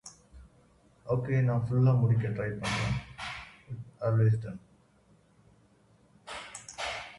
The correct verb to complete the sentence is "require."